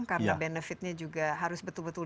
karena benefitnya juga harus betul betul